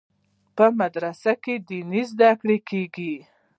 په مدرسو کې دیني زده کړې کیږي.